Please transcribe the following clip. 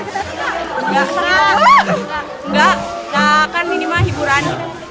nggak nggak kan ini mah hiburan